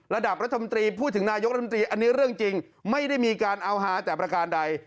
ระดับรัฐมนตรีพูดถึงนายกรัฐมนตรีอันนี้เรื่องจริงไม่ได้มีการเอาฮาแต่ประการใด